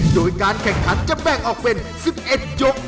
โดยการแข่งขันจะแบ่งออกเป็น๑๑ยก